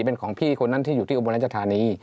เป็นของพี่คนนั้นที่อยู่ที่อุบลรัชธานี